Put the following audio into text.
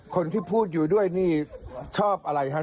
คนที่พูดอยู่ด้วยเชียวอะไรครับ